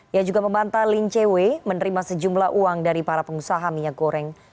ia juga membantah lin che wei menerima sejumlah uang dari para pengusaha minyak goreng